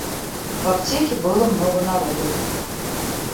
В аптеке было много народу.